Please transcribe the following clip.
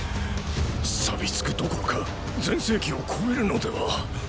錆びつくどころか全盛期を超えるのでは。